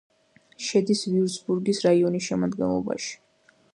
შედის ვიურცბურგის რაიონის შემადგენლობაში.